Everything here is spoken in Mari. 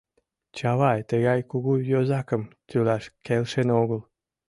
— Чавай тыгай кугу йозакым тӱлаш келшен огыл.